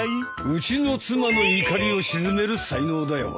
うちの妻の怒りを鎮める才能だよ。